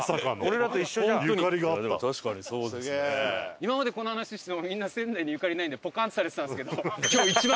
今までこの話してもみんな仙台にゆかりないんでポカンってされてたんですけど。